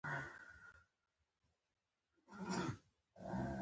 دا اداره د اردن ده.